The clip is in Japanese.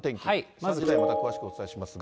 ３時台にまた詳しくお伝えしますが。